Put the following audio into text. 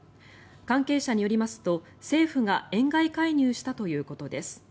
関係者によりますと、政府が円買い介入したということです。